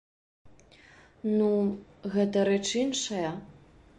Ну, гэта рэч іншая.